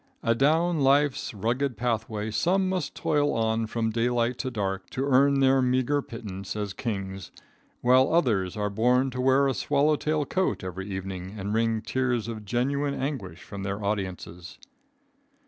Adown life's rugged pathway some must toil on from daylight to dark to earn their meagre pittance as kings, while others are born to wear a swallow tail coat every evening and wring tears of genuine anguish from their audiences.